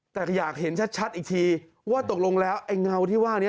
แต่อยากเห็นชัดอีกทีว่าตกลงแล้วไอ้เงาที่ว่านี้